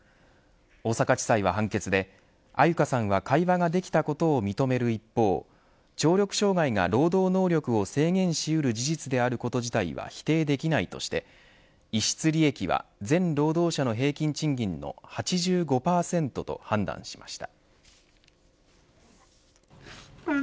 大阪地裁は判決で安優香さんは会話ができたことを認める一方聴力障害が労働能力を制限しうる事実であること自体は否定できないとして逸失利益は全労働者の平均賃金の８５％と判断しました。